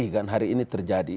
kan hari ini terjadi